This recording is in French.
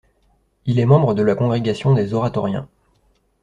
Il est membre de la congrégation des oratoriens.